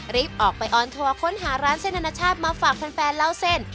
รีบออกไปออนทัวร์ค้นหาร้านเส้นอนาชาติมาฝากแฟนเล่าเส้น